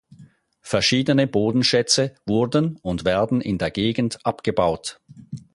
Verschiedene Bodenschätze wurden und werden in der Gegend abgebaut.